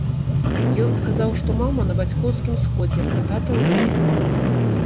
Ён сказаў, што мама на бацькоўскім сходзе, а тата ў рэйсе.